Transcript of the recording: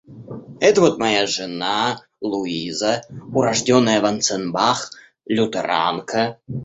Это вот моя жена, Луиза, урождённая Ванценбах... лютеранка...